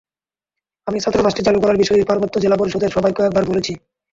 আমি ছাত্রাবাসটি চালু করার বিষয়ে পার্বত্য জেলা পরিষদের সভায় কয়েকবার বলেছি।